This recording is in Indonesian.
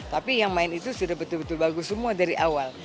tapi yang main itu sudah betul betul bagus semua dari awal